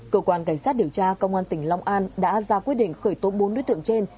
cơ quan cảnh sát điều tra công an tỉnh long an đã ra quyết định khởi tố bốn đối tượng trên